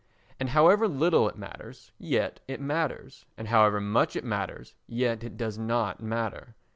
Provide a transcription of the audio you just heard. And however little it matters, yet it matters, and however much it matters yet it does not matter.